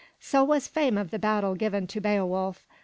So was fame of the battle given to Beowulf.